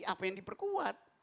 apa yang diperkuat